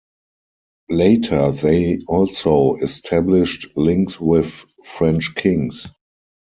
Later they also established links with French kings.